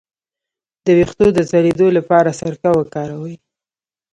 د ویښتو د ځلیدو لپاره سرکه وکاروئ